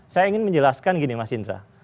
saya ingin menjelaskan gini mas indra